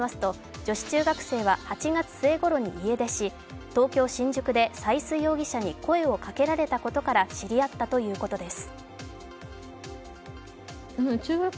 警察によりますと女子中学生は８月末に家出し東京・新宿で斉須容疑者に声をかけられたことから知り合ったということです。